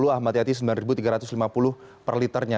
ahmad yati rp sembilan tiga ratus lima puluh per liternya